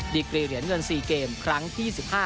ดีกรีเหรียญเงิน๔เกมครั้งที่๒๕